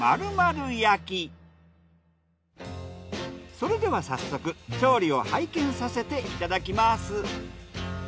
それでは早速調理を拝見させていただきます。